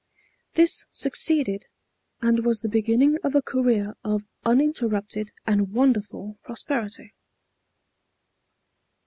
This succeeded, and was the beginning of a career of uninterrupted and wonderful prosperity.